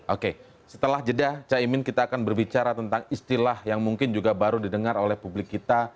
oke setelah jeda caimin kita akan berbicara tentang istilah yang mungkin juga baru didengar oleh publik kita